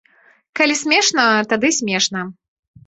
Калі смешна, тады смешна.